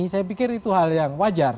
saya pikir itu hal yang wajar